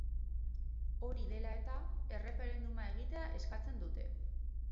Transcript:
Hori dela eta, erreferenduma egitea eskatzen dute.